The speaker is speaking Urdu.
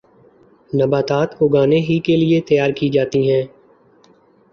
نباتات اگانے ہی کیلئے تیار کی جاتی ہیں